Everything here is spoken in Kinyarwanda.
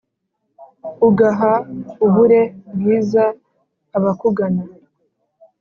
ugaha Ubure bwiza abakugana